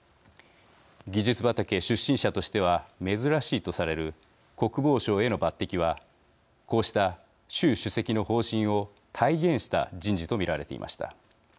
技術畑出身者としては珍しいとされる国防相への抜てきはこうした習主席の方針を体現した人事と見られていました。